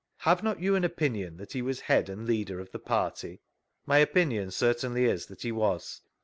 Have not you an opinion that he was head and leader of the party ?— My opinion certainly is, that he was.